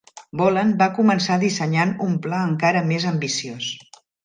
Bolland va començar dissenyant un pla encara més ambiciós.